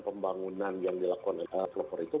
pembangunan yang dilakukan oleh